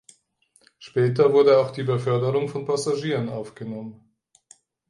Später wurde auch die Beförderung von Passagieren aufgenommen.